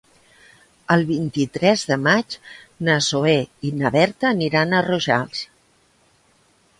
El vint-i-tres de maig na Zoè i na Berta aniran a Rojals.